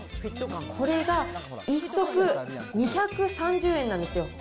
これが１足２３０円なんですよ。